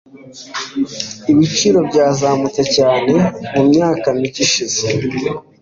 Ibiciro byazamutse cyane mumyaka mike ishize.